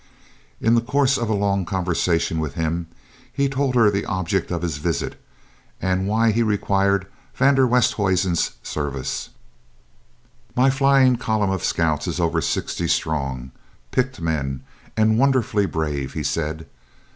In the course of a long conversation with him he told her the object of his visit and why he required van der Westhuizen's services. "My flying column of scouts is over sixty strong, picked men and wonderfully brave," he said.